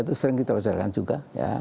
itu sering kita bicarakan juga